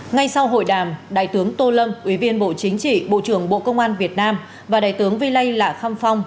ngay sau hội đàm đại tướng tô lâm ủy viên bộ chính trị bộ trưởng bộ công an việt nam và đại tướng vy lây lạc thăng phong